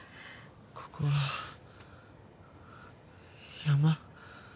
ここは山？